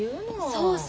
そうそう！